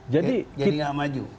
jadi gak maju